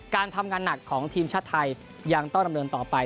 การทำงานหนักของทีมชาติไทยยังต้องดำเนินต่อไป